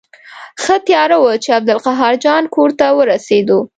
ښه تیاره وه چې عبدالقاهر جان کور ته ورسېدو.